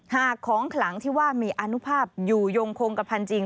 หากของขลังที่ว่ามีอนุภาพอยู่ยงคงกระพันธุ์จริง